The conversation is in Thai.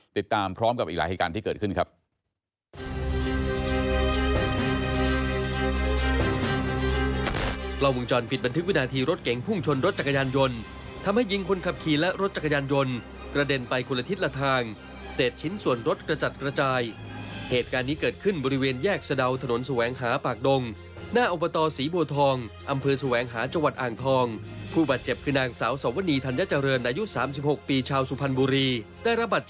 ติดตามพร้อมกับอีกหลายเหตุการณ์ที่เกิดขึ้นครับ